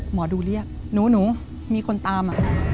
หมอดูเรียกหนูมีคนตาม